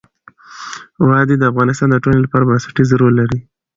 وادي د افغانستان د ټولنې لپاره بنسټيز رول لري.